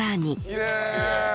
きれい！